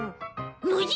ノジ！